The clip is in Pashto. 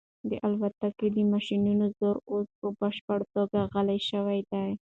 د الوتکې د ماشینونو زور اوس په بشپړه توګه غلی شوی دی.